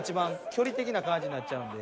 距離的な感じになっちゃうんで。